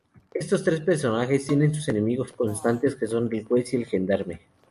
Estos tres personajes tienen sus enemigos constantes que son el juez y el gendarme.